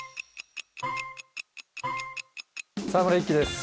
沢村一樹です